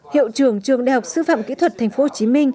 hiệu trưởng trường đại học sư phạm kỹ thuật tp hcm